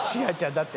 だって。